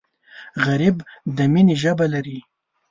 غریب د مینې ژبه لري